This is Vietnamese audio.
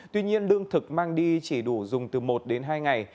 tuy nhiên lương thực mang đi chỉ đủ dùng từ một đến hai ngày